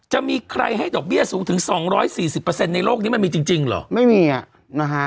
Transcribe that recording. จะมีใครให้ดอกเบี้ยสูงถึงสองร้อยสี่สิบเปอร์เซ็นต์ในโลกนี้มันมีจริงจริงเหรอไม่มีอ่ะนะฮะ